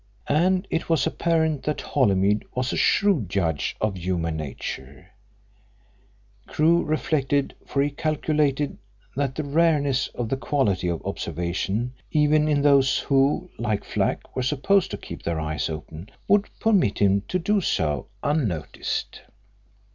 And it was apparent that Holymead was a shrewd judge of human nature, Crewe reflected, for he calculated that the rareness of the quality of observation, even in those who, like Flack, were supposed to keep their eyes open, would permit him to do so unnoticed.